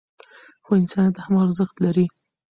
خو انسانیت هم ارزښت لري.